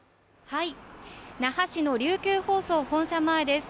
那覇市の琉球放送本社前です。